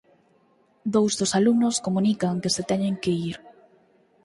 Dous dos alumnos comunican que se teñen que ir.